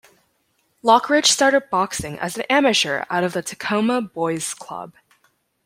Lockridge started boxing as an amateur out of the Tacoma Boys Club.